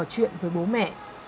và nói chuyện với bố mẹ